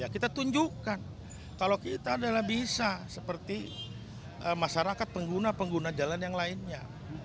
kita tunjukkan kalau kita adalah bisa seperti masyarakat pengguna pengguna jalan yang lainnya